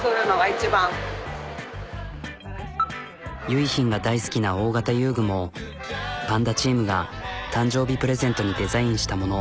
結浜が大好きな大型遊具もパンダチームが誕生日プレゼントにデザインしたもの。